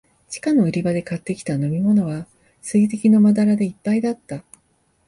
地下の売り場で買ってきた飲みものは、水滴のまだらでいっぱいだった。